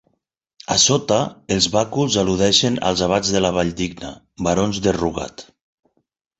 A sota, els bàculs al·ludeixen als abats de la Valldigna, barons de Rugat.